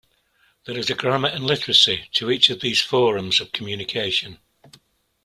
There is a grammar and literacy to each of these forms of communication.